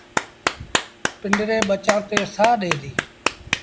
پنڊري ٻچآݩ تي سآه ڏي ديٚ۔